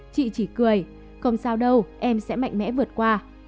chị chỉ cười không sao đâu em sẽ mạnh mẽ vượt qua